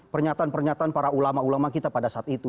pernyataan pernyataan para ulama ulama kita pada saat itu